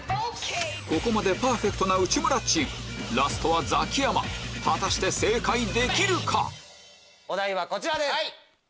ここまでパーフェクトな内村チームラストはザキヤマ果たして正解できるか？お題はこちらです。